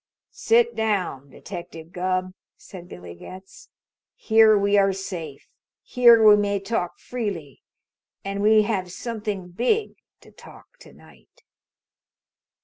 "Sit down, Detective Gubb," said Billy Getz. "Here we are safe. Here we may talk freely. And we have something big to talk to night."